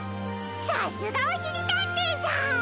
さすがおしりたんていさん！